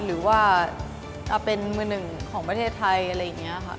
หรือว่าเป็นมือหนึ่งของประเทศไทยอะไรอย่างนี้ค่ะ